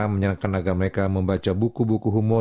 menyenangkan agar mereka membaca buku buku humor